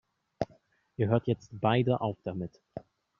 Ihr hört jetzt beide auf damit!